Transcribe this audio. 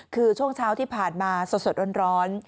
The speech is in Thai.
คือช่วงเช้าที่ผ่านมาสดร้อน